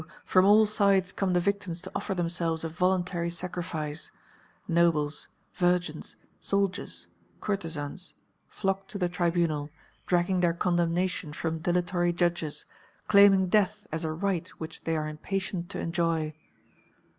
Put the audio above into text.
from all sides come the victims to offer themselves a voluntary sacrifice. Nobles, virgins, soldiers, courtesans, flock to the Tribunal, dragging their condemnation from dilatory judges, claiming death as a right which they are impatient to enjoy.